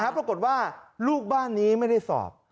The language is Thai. ปรากฏว่าลูกบ้านนี้ไม่ได้สอบ